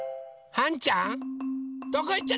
はんちゃん？